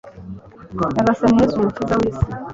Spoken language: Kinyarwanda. nyagasani yezu mukiza w'isi